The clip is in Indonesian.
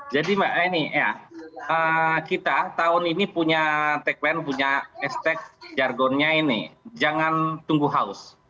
jadi mbak ini ya kita tahun ini punya tekmen punya ekstek jargonnya ini jangan tunggu haus